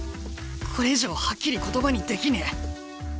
これ以上はっきり言葉にできねえ。